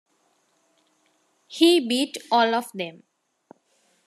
He beat all of them.